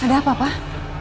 ada apa pak